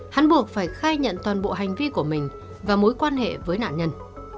hắn buộc phải khai nhận toàn bộ hành vi của mình và mối quan hệ với nạn nhân